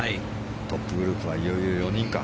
トップグループはいよいよ４人か。